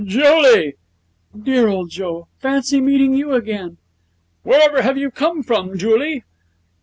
'Julie!' 'Dear old Joe! Fancy meeting you again!' 'Wherever have you come from, Julie?'